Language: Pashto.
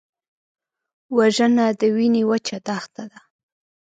وژنه د وینې وچه دښته ده